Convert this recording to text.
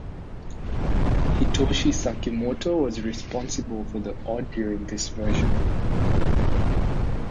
Hitoshi Sakimoto was responsible for the audio in this version.